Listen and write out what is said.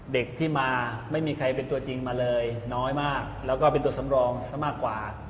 เด็กที่มาไม่มีใครเป็นตัวจริงมาเลยน้อยมากแล้วก็เป็นตัวสำรองซะมากกว่า